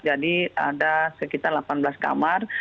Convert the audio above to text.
jadi ada sekitar delapan belas kamar